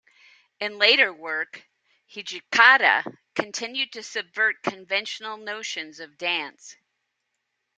In later work, Hijikata continued to subvert conventional notions of dance.